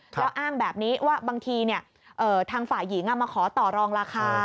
แล้วอ้างแบบนี้ว่าบางทีทางฝ่ายหญิงมาขอต่อรองราคา